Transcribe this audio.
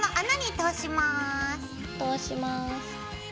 通します。